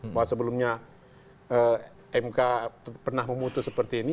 bahwa sebelumnya mk pernah memutus seperti ini